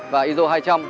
và iso hai trăm linh